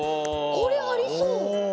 これありそう。